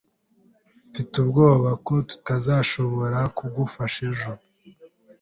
Mfite ubwoba ko tutazashobora kugufasha ejo.